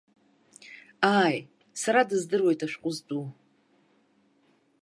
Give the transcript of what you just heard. Ааи, сара дыздыруеит ашәҟәы зтәу.